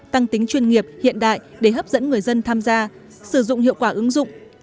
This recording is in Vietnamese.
tăng tính chuyên nghiệp hiện đại để hấp dẫn người dân tham gia sử dụng hiệu quả ứng dụng